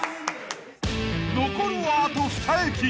［残るはあと２駅］